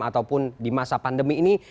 ataupun di masa pandemi ini